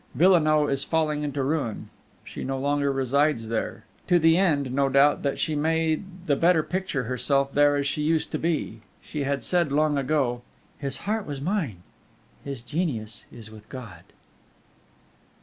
Villenoix is falling into ruin. She no longer resides there; to the end, no doubt, that she may the better picture herself there as she used to be. She had said long ago: "His heart was mine; his genius is with God."